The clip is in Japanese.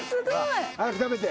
早く食べて。